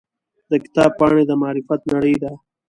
د کتاب پاڼې د معرفت نړۍ ده.